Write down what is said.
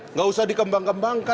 nggak usah dikembang kembang